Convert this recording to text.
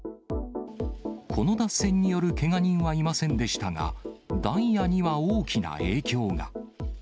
この脱線によるけが人はいませんでしたが、ダイヤには大きな影響が。